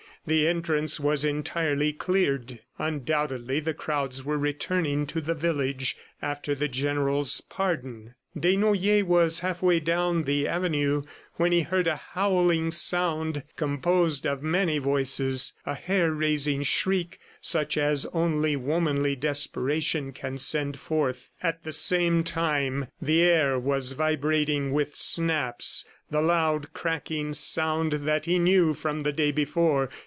The entrance was entirely cleared! undoubtedly the crowds were returning to the village after the General's pardon. ... Desnoyers was half way down the avenue when he heard a howling sound composed of many voices, a hair raising shriek such as only womanly desperation can send forth. At the same time, the air was vibrating with snaps, the loud cracking sound that he knew from the day before.